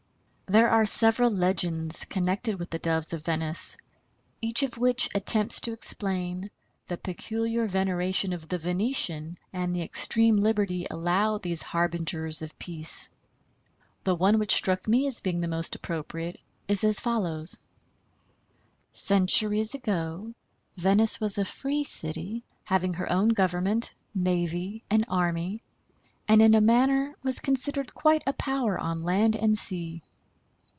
There are several legends connected with the Doves of Venice, each of which attempts to explain the peculiar veneration of the Venetian and the extreme liberty allowed these harbingers of peace. The one which struck me as being the most appropriate is as follows: Centuries ago Venice was a free city, having her own government, navy, and army, and in a manner was considered quite a power on land and sea.